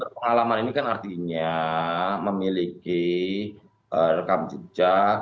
pengalaman ini kan artinya memiliki rekam jejak